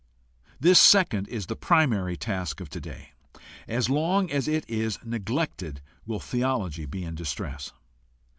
This second is the primary task of today. As long as it is neglected will theology be in distress.